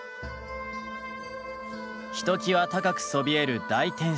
ひときわ高くそびえる大天守。